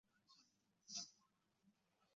他人可称总督为督宪阁下。